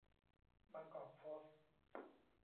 บางกอก โพสต์